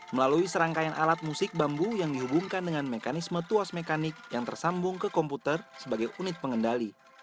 melalui serangkaian alat musik bambu yang dihubungkan dengan mekanisme tuas mekanik yang tersambung ke komputer sebagai unit pengendali